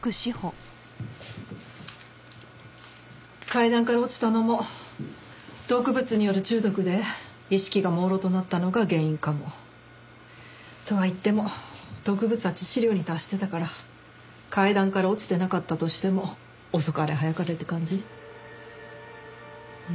階段から落ちたのも毒物による中毒で意識が朦朧となったのが原因かも。とはいっても毒物は致死量に達してたから階段から落ちてなかったとしても遅かれ早かれって感じ。